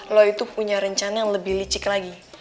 lo itu punya rencana yang lebih licik lagi